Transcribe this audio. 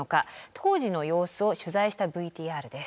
当時の様子を取材したＶＴＲです。